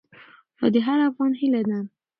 دا د هر افغان هیله ده.